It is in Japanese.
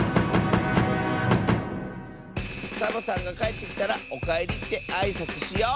サボさんがかえってきたら「おかえり」ってあいさつしよう！